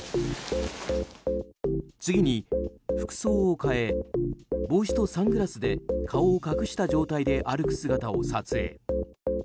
次に服装を変え帽子とサングラスで顔を隠した状態で歩く姿を撮影。